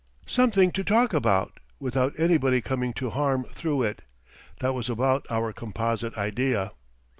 Something to talk about, without anybody coming to harm through it that was about our composite idea.